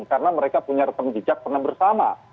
karena mereka punya retang jejak pernah bersama